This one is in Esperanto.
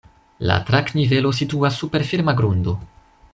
La trak-nivelo situas super firma grundo.